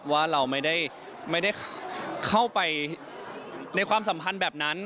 ว่าเราไม่ได้เข้าไปในความสัมพันธ์แบบนั้น